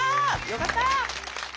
よかった！